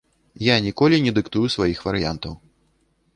Я ніколі не дыктую сваіх варыянтаў.